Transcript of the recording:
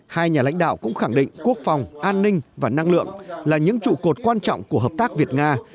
hai nhà lãnh đạo cũng khẳng định quốc phòng an ninh và năng lượng là những trụ cột quan trọng của hợp tác việt nga